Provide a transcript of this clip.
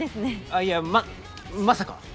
あっいやままさか。